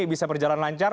bisa berjalan lancar